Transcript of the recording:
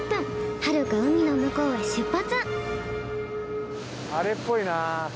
はるか海の向こうへ出発。